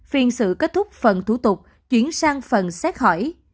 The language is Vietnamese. phiên sự kết thúc phần thủ tục chuyển sang phần xét hỏi